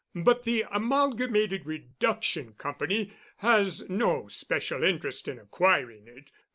But the Amalgamated Reduction Company has no special interest in acquiring it.